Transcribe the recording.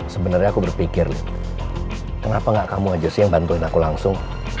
sebenarnya aku berpikir kenapa gak kamu aja sih yang bantuin aku langsung